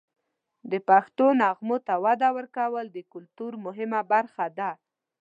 د پښتو نغمو ته وده ورکول د کلتور مهمه برخه ده.